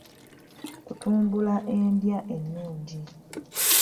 Kutumbula endya ennungi.